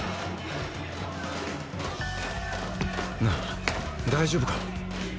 なあ大丈夫か？